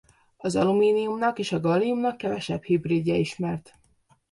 Az alumíniumnak és a galliumnak kevesebb hidridje ismert.